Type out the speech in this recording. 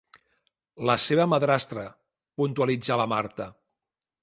La seva madrastra –puntualitza la Marta.